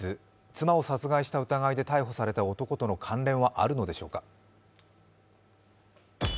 妻を殺害した疑いで逮捕された男との関連はあるのでしょうか。